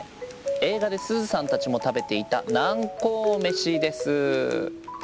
映画ですずさんたちも食べていた楠公飯です。